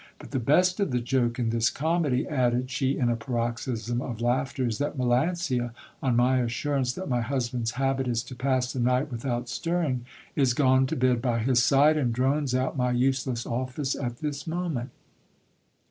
But the best of the joke in this comedy, added she in a paroxysm of laughter, is that Melancia, on my assurance that my husband's habit is to pass the night without stirring, is gone to bed by his side, and drones out my useless office at this moment.